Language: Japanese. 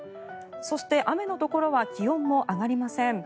そして、雨のところは気温も上がりません。